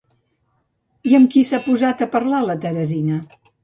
I amb qui s'ha posat a parlar la Teresina?